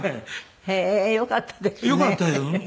へえーよかったですね。